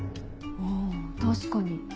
あぁ確かに。